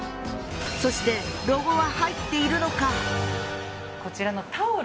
そしてロゴは入っているのか？